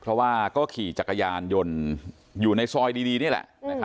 เพราะว่าก็ขี่จักรยานยนต์อยู่ในซอยดีนี่แหละ